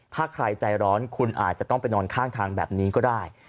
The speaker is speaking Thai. ถ้าใครใจร้อนคุณอาจจะต้องไปนอนข้างทางแบบนี้ก็ได้